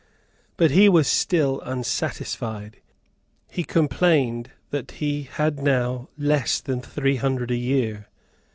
But he was still unsatisfied. He complained that he had now less than three hundred a year.